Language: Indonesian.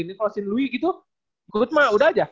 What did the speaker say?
ini kalo si louis gitu ikut mah udah aja